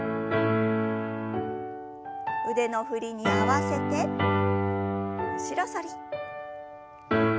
腕の振りに合わせて後ろ反り。